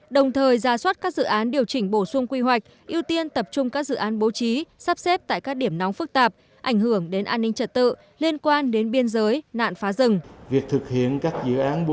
đồng thời ra soát các dự án điều chỉnh bổ sung quy hoạch ưu tiên tập trung các dự án bố trí sắp xếp tại các điểm nóng phức tạp ảnh hưởng đến an ninh trật tự liên quan đến biên giới nạn phá rừng